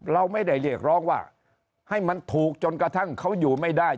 เราไม่ได้เรียกร้องว่าให้มันถูกจนกระทั่งเขาอยู่ไม่ได้